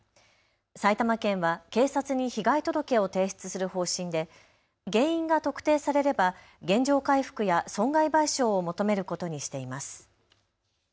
埼玉県は警察に被害届を提出する方針で原因が特定されれば原状回復や損害賠償を求めることにしています。